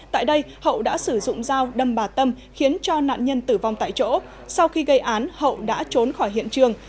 tại đây hậu đã sử dụng dao đâm bà tâm khiến cho nạn nhân tử vong tại chỗ sau khi gây án hậu đã trốn khỏi hiện trường